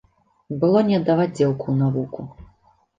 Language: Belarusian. Было не аддаваць дзеўку ў навуку.